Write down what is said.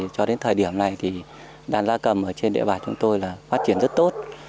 cho đến thời điểm này đàn da cầm trên địa bàn chúng tôi phát triển rất tốt